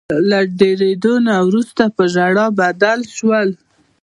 له ډیریدو نه وروسته په ژړا بدل شول.